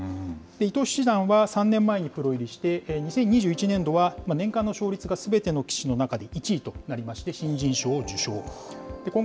伊藤七段は３年前にプロ入りして、２０２１年度は年間の勝率がすべての棋士の中で１位となりまして、新人賞を受賞。